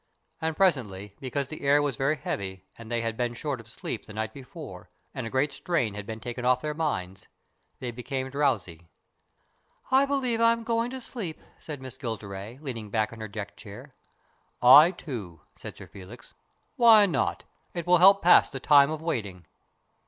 And presently, because the air was very heavy and they had been short of sleep the night before, and a great strain had been taken off their minds, they became drowsy. " I believe I'm going to sleep," said Miss Gilderay, leaning back in her deck chair, "I too," said Sir Felix. "Why not? It will help to pass the time of waiting."